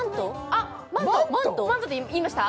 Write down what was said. あっマントっていいました？